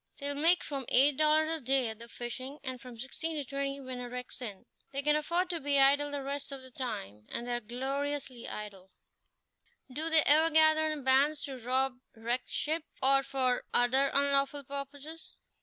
They'll make from eight dollars a day at the fishing, and from sixteen to twenty when a wreck's in. They can afford to be idle the rest of the time, and they are gloriously idle." "Do they ever gather in bands to rob wrecked ships, or for other unlawful purposes?"